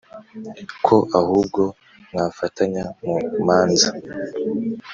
ko ahubwo mwafatanya mu manza